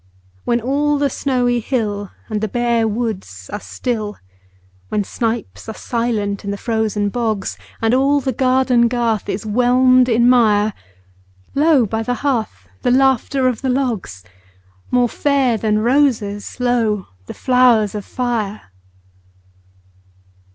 When all the snowy hill And the bare woods are still; When snipes are silent in the frozen bogs, And all the garden garth is whelmed in mire, Lo, by the hearth, the laughter of the logs— More fair than roses, lo, the flowers of fire!